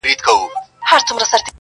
o خو خبري نه ختمېږي هېڅکله تل,